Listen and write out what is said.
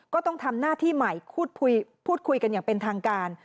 ก็ต้องทำหน้าที่ใหม่พูดคุยกันอย่างเป็นทางการ